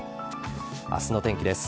明日の天気です。